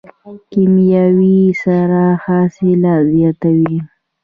کیمیاوي سره حاصلات زیاتوي.